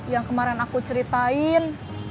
yang kemarin aku ceritain